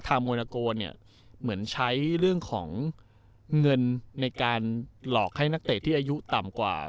โมนาโกเนี่ยเหมือนใช้เรื่องของเงินในการหลอกให้นักเตะที่อายุต่ำกว่า